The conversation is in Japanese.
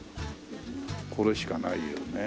これしかないよね。